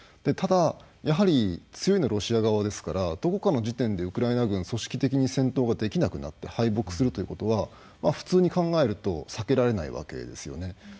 ただやはり強いのはロシア側ですからどこかの時点でウクライナ軍組織的に戦闘ができなくなって敗北するということは普通に考えると避けられないわけですよね。